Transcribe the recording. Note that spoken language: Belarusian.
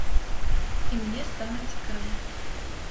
І мне стала цікава.